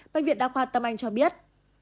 bệnh viện đa khoa tâm anh cho biết